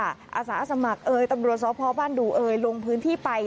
อาสาสมัครเอ่ยตำรวจสพบ้านดูเอ่ยลงพื้นที่ไป